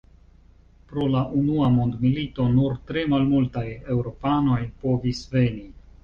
Pro la unua mondmilito nur tre malmultaj Eŭropanoj povis veni.